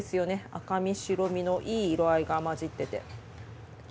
赤身白身のいい色合いが混じってて。